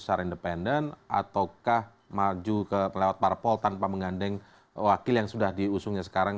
atau maju lewat parpol tanpa mengandeng wakil yang sudah diusungnya sekarang